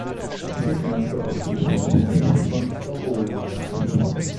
Ich möchte auf die Bemerkung von Frau Hohlmeier antworten.